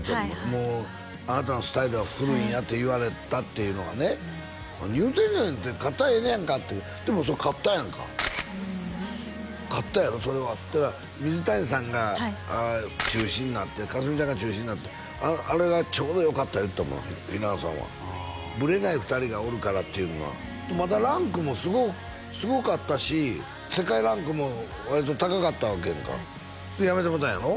もうあなたのスタイルは古いんやと言われたっていうのがね何言うてんねんって勝ったらええやんかってでもそれ勝ったやんか勝ったやろそれはだから水谷さんが中心になって佳純ちゃんが中心になってあれがちょうどよかった言うてたもん平野さんはぶれない２人がおるからっていうのはまだランクもすごかったし世界ランクも割と高かったわけやんかでやめてもうたんやろ？